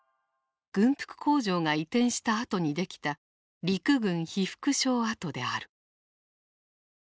軍服工場が移転したあとに出来た「陸軍被服廠跡」である。